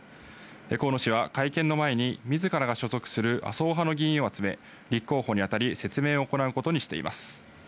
河野氏は会見の前にみずからが所属する麻生派の議員を集め、立候補に当たり説明を行うことにしています。